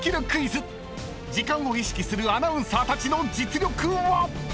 ［時間を意識するアナウンサーたちの実力は⁉］